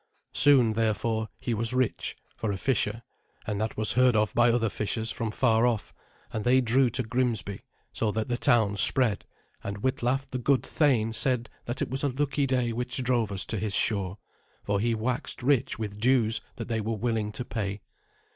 Soon, therefore, he was rich, for a fisher; and that was heard of by other fishers from far off, and they drew to Grimsby, so that the town spread, and Witlaf the good thane said that it was a lucky day which drove us to his shore, for he waxed rich with dues that they were willing to pay.